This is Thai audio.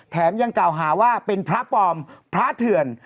ยังกล่าวหาว่าเป็นพระปลอมพระเถื่อน